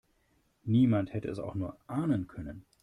Niemand hätte es auch nur ahnen können.